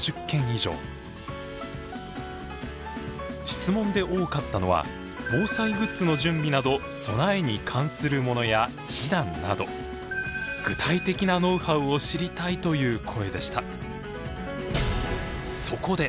質問で多かったのは防災グッズの準備など「備え」に関するものや「避難」など具体的なノウハウを知りたいという声でした。